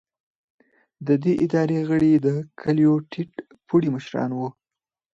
د دې ادارې غړي د کلیو ټیټ پوړي مشران وو.